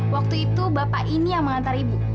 waktu itu bapak ini yang mengantar ibu